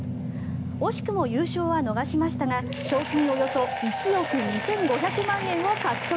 惜しくも優勝は逃しましたが賞金およそ１億２５００万円を獲得。